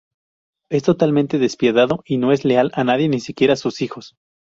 Es totalmente despiadado, y no es leal a nadie, ni siquiera a sus hijos.